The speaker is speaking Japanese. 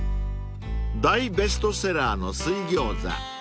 ［大ベストセラーの水餃子］